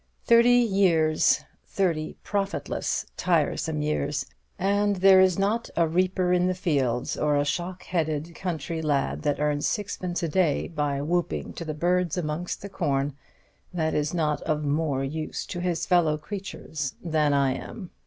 Thirty years thirty profitless, tiresome years; and there is not a reaper in the fields, or a shock headed country lad that earns sixpence a day by whooping to the birds amongst the corn, that is not of more use to his fellow creatures than I am.